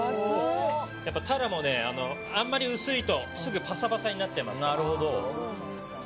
タラもあんまり薄いとすぐパサパサになっちゃうので。